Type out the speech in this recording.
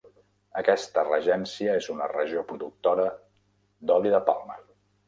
Aquesta regència és una regió productora d'oli de palma.